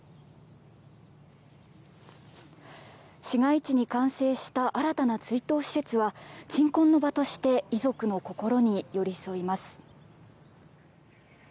市街地に完成した新たな追悼施設は鎮魂の場として遺族の心に寄り添います。